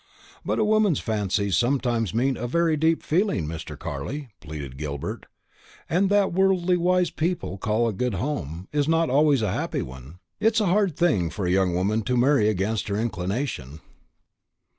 "But a woman's fancies sometimes mean a very deep feeling, Mr. Carley," pleaded Gilbert; "and what worldly wise people call a good home, is not always a happy one. It's a hard thing for a young woman to marry against her inclination."